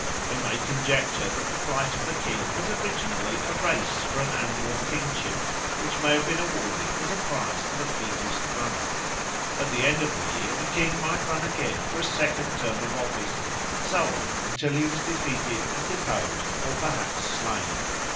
We may conjecture that the Flight of the King was originally a race for an annual kingship, which may have been awarded as a prize to the fleetest runner. At the end of the year the king might run again for a second term of office; and so on, until he was defeated and deposed or perhaps slain.